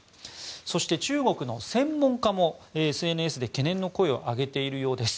そして中国の専門家もＳＮＳで懸念の声を上げているようです。